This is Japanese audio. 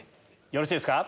よろしいですか？